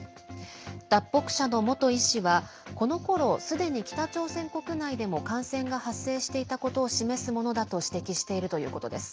脱北者の元医師はこのころ、すでに北朝鮮国内でも感染が発生していたことを示すものだと指摘しているということです。